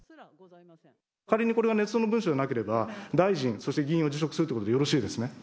仮にこれがねつ造の文書でなければ、大臣、そして議員を辞職するということでよろしいですね。